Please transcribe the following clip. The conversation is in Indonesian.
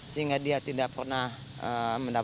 sehingga dia tidak pernah mendapatkan